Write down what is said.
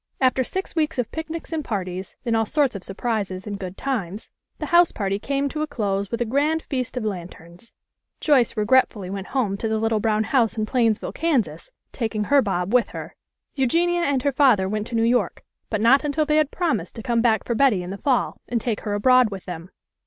After six weeks of picnics and parties, and all sorts of surprises and good times, the house party came to a close with a grand feast of lanterns. Joyce regret fully went home to the little brown house in Plains ville, Kansas, taking her Bob with her. Eugenia and her father went to New York, but not until they had promised to come back for Betty in the fall, and take her abroad with them.